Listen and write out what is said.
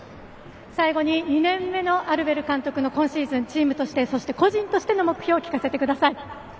最後に、２年目のアルベル監督の今シーズンチームとして個人としての目標を聞かせてください。